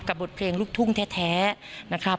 บทเพลงลูกทุ่งแท้นะครับ